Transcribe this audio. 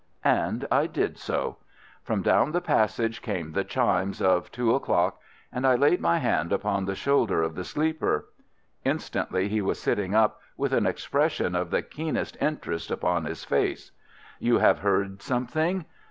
And I did so. From down the passage came the chimes of two o'clock, and I laid my hand upon the shoulder of the sleeper. Instantly he was sitting up, with an expression of the keenest interest upon his face. "You have heard something?"